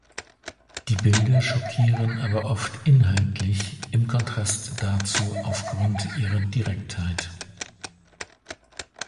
Die Bilder schockieren aber oft inhaltlich im Kontrast dazu aufgrund ihrer Direktheit.